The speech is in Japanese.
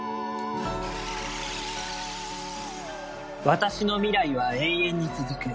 「私の未来は永遠に続く」